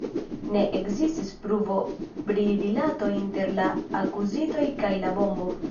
Ne ekzistis pruvo pri rilato inter la akuzitoj kaj la bombo.